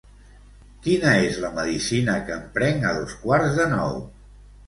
Quina és la medicina que em prenc a dos quarts de nou?